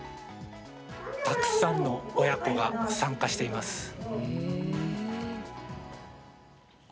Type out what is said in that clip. たくさんの親子が参加しています。